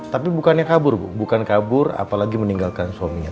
tapi bukannya kabur bu apalagi meninggalkan suaminya